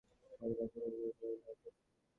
ওরে মেজোবউ, ভয় নেই তোর!